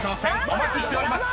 お待ちしております